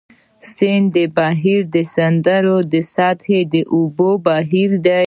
سمندري بهیر د سمندر د سطحې د اوبو بهیر دی.